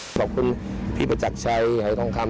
ดังแน่นะ